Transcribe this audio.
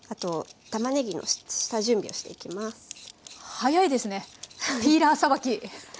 速いですねピーラーさばき。